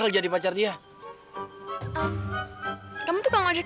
cakup cakup kok gak aku